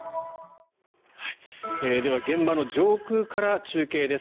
では、現場の上空から中継です。